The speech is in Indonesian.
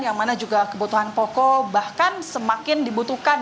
yang mana juga kebutuhan pokok bahkan semakin dibutuhkan